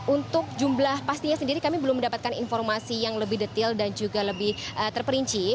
untuk jumlah pastinya sendiri kami belum mendapatkan informasi yang lebih detail dan juga lebih terperinci